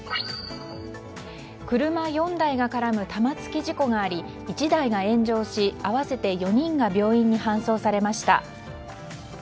車４台が絡む玉突き事故があり１台が炎上し、合わせて４人が病院に搬送されました。